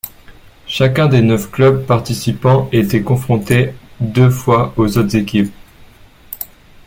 Chacun des neuf clubs participants était confronté deux fois aux autres équipes.